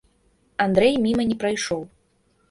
Андрэй міма не прайшоў.